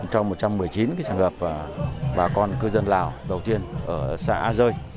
trong một trăm một mươi chín trường hợp bà con cư dân lào đầu tiên ở xã a rơi